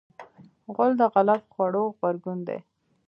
غول د غلط خوړو غبرګون دی.